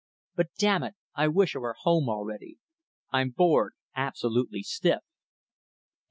_ But damn it I wish I were home already. _I'm bored absolutely stiff!